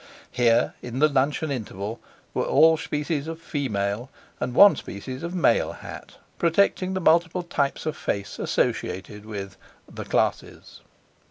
Here, in the luncheon interval, were all species of female and one species of male hat, protecting the multiple types of face associated with "the classes."